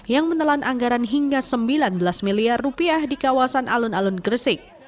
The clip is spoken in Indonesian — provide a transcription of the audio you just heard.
yang menelan anggaran hingga sembilan belas miliar rupiah di kawasan alun alun gresik